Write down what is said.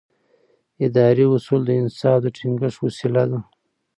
اداري اصول د انصاف د ټینګښت وسیله ده.